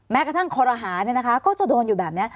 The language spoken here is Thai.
แม้กระทั่งครหาเนี่ยนะคะก็จะโดนอยู่แบบนี้